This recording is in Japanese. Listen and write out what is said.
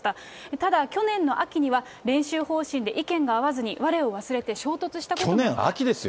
ただ、去年の秋には練習方針で意見が合わずにわれを忘れて、衝突したこ去年の秋ですよ。